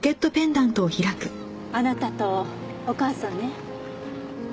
あなたとお母さんね。